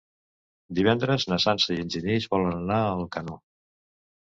Divendres na Sança i en Genís volen anar a Alcanó.